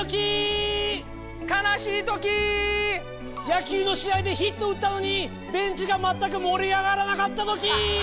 野球の試合でヒットを打ったのにベンチが全く盛り上がらなかったときー！